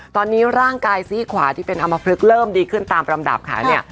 ตอนนี้ร่างกายซี่ขวาที่เป็นอำมพลึกเริ่มดีขึ้นตามลำดับค่ะเนี่ย